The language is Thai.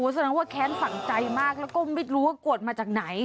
แสดงว่าแค้นฝั่งใจมากแล้วก็ไม่รู้ว่ากวดมาจากไหน